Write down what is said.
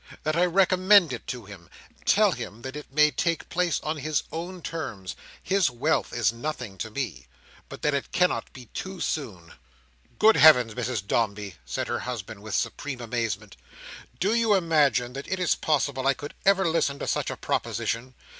That I recommend it to him. Tell him it may take place on his own terms—his wealth is nothing to me—but that it cannot be too soon." "Good Heaven, Mrs Dombey!" said her husband, with supreme amazement, "do you imagine it possible that I could ever listen to such a proposition?